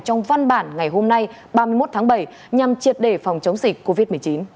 trong văn bản ngày hôm nay ba mươi một tháng bảy nhằm triệt đề phòng chống dịch covid một mươi chín